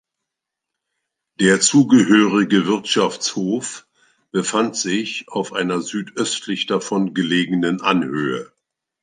Der zugehörige Wirtschaftshof befand sich auf einer südöstlich davon gelegenen Anhöhe.